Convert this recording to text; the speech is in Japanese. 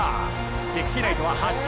ピクシーナイトは８着。